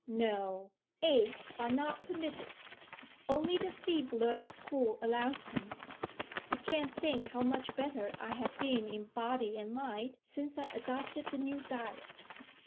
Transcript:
No eggs are not permitted; only the feebler school allows them. You can't think how much better I have been in body and mind since I adopted the new diet.'